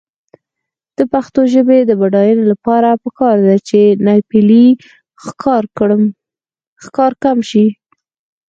د پښتو ژبې د بډاینې لپاره پکار ده چې ناپییلي ښکار کم شي.